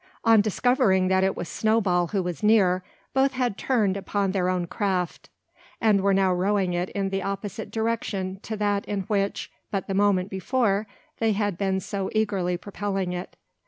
On discovering that it was Snowball who was near, both had turned upon their own craft, and were now rowing it in the opposite direction to that in which, but the moment before, they had been so eagerly propelling it.